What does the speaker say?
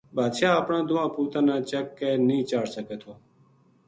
بادشاہ اپناں دواں پوتاں نا چک کے نیہہ چاڑ سکے تھو